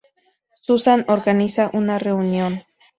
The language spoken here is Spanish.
Susan organiza una reunión.